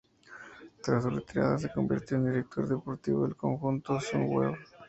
Tras su retirada se convirtió en director deportivo del conjunto Sunweb.